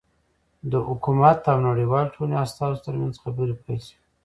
د حکومت او نړیوالې ټولنې استازو ترمنځ خبرې پیل شوې.